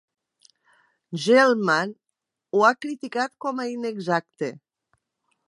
Gell-Mann ho ha criticat com a inexacte.